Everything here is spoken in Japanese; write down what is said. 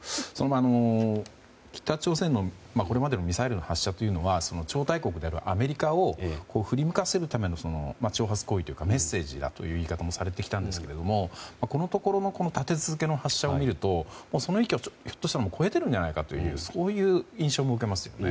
北朝鮮のこれまでもミサイルの発射というのは超大国であるアメリカを振り向かせるための挑発行為というかメッセージだという言い方もされてきましたがこのところの立て続けの発射を見るとその域をひょっとしたら超えているのではないかという印象も受けますね。